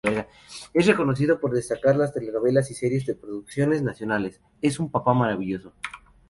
Es reconocido por destacar las telenovelas y series de producciones nacionales.Es un papá maravilloso.